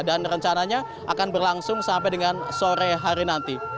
dan rencananya akan berlangsung sampai dengan sore hari nanti